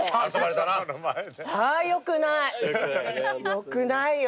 よくないよ。